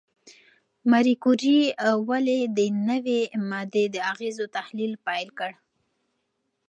ماري کوري ولې د نوې ماده د اغېزو تحلیل پیل کړ؟